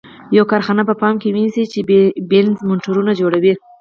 یوه کارخانه په پام کې ونیسئ چې بینز موټرونه جوړوي.